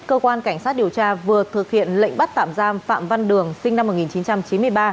cơ quan cảnh sát điều tra vừa thực hiện lệnh bắt tạm giam phạm văn đường sinh năm một nghìn chín trăm chín mươi ba